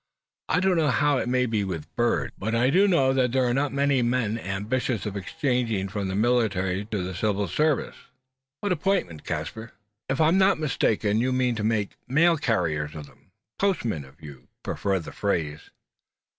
I don't know how it may be with birds, but I do know that there are not many men ambitious of exchanging from the military to the civil service." "What appointment, Caspar?" "If I'm not mistaken, you mean to make mail carriers of them postmen, if you prefer the phrase."